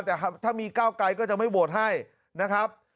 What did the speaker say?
แต่ถ้ามีก้าวไกลก็จะไม่โหวตให้นะครับ